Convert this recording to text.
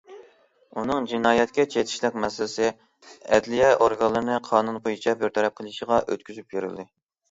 ئۇنىڭ جىنايەتكە چېتىشلىق مەسىلىسى ئەدلىيە ئورگانلىرىنىڭ قانۇن بويىچە بىر تەرەپ قىلىشىغا ئۆتكۈزۈپ بېرىلدى.